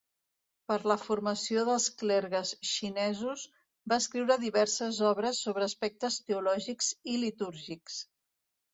Per la formació dels clergues xinesos va escriure diverses obres sobre aspectes teològics i litúrgics.